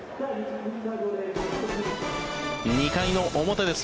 ２回の表です。